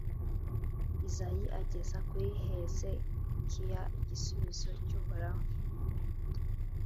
Izayi ageza kuri Hezekiya igisubizo cy’Uhoraho